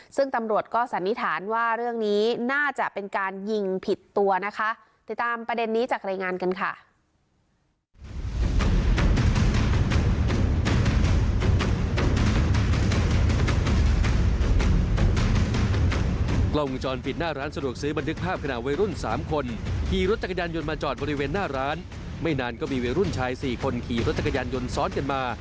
ซึ่งตำรวจก็สันนิษฐานว่าเรื่องนี้น่าจะเป็นการยิงผิดตัวนะคะติดตามประเด็นนี้จากรายงานกันค่ะ